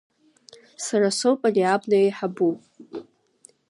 Сара соуп ари абна еиҳабу!